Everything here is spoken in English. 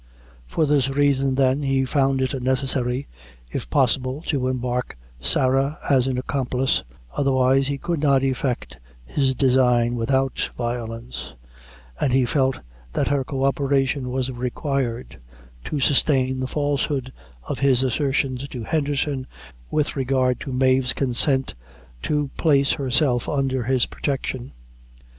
For this reason, then, he found it necessary, if possible to embark Sarah as an accomplice, otherwise, he could not effect his design without violence, and he felt that her co operation was required to sustain the falsehood of his assertions to Henderson with regard to Mave's consent to: place herself under his protection.